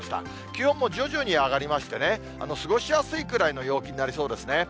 気温も徐々に上がりましてね、過ごしやすいくらいの陽気になりそうですね。